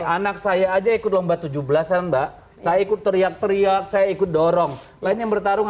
anak saya aja ikut lomba tujuh belas an mbak saya ikut teriak teriak saya ikut dorong lain yang bertarung